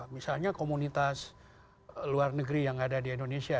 misalnya komunitas luar negeri yang ada di indonesia